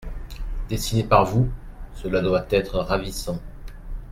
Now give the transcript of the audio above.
Dessinés par vous, cela doit être ravissant !